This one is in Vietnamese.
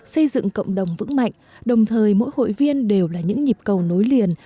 xây dựng cộng đồng vững mạnh đồng thời mỗi hội viên đều là những nhịp cầu nối liền